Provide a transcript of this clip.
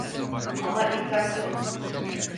Ama dikkatli ol.